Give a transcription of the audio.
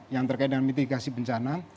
yang terkait dengan mitigasi bencana